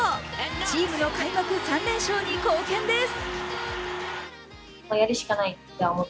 チームの開幕３連勝に貢献です。